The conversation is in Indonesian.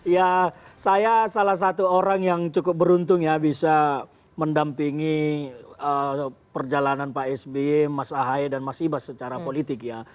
ya saya salah satu orang yang cukup beruntung ya bisa mendampingi perjalanan pak sby mas ahaye dan mas ibas secara politik ya